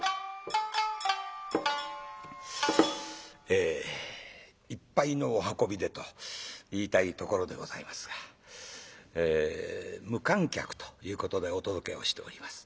えいっぱいのお運びでと言いたいところでございますが無観客ということでお届けをしております。